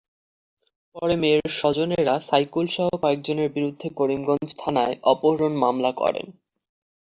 পরে মেয়ের স্বজনেরা সাইকুলসহ কয়েকজনের বিরুদ্ধে করিমগঞ্জ থানায় অপহরণ মামলা করেন।